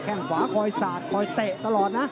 แค่งขวาคอยสาดคอยเตะตลอดนะ